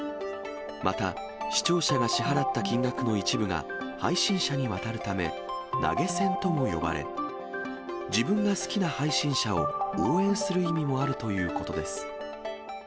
また視聴者が支払った金額の一部が、配信者に渡るため、投げ銭とも呼ばれ、自分が好きな配信者を応援する意味もあるということです。